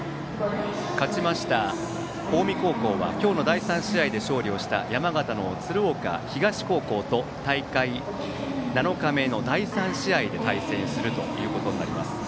勝ちました近江高校は今日の第３試合で勝利した山形の鶴岡東と大会７日目の第３試合で対戦することになります。